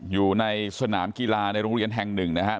อยู่ในสนามกีฬาในโรงเรียนแห่งหนึ่งนะครับ